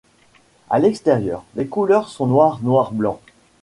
À l'extérieur, les couleurs sont noir-noir-blanc.